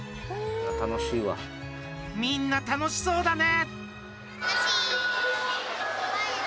みんな楽しそうだね。